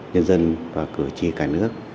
nhân dân và cử tri cả nước